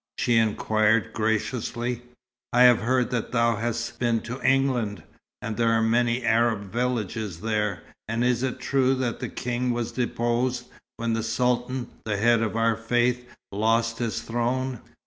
she inquired, graciously. "I have heard that thou hast been to England. Are there many Arab villages there, and is it true that the King was deposed when the Sultan, the head of our faith, lost his throne?"